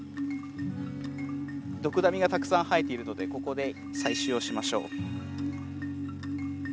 ドクダミがたくさん生えているのでここで採集をしましょう。